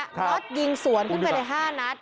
น็อตยิงสวนขึ้นไปได้๕นัด